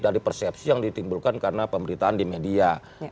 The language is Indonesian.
dari persepsi yang ditimbulkan karena pemberitaan di media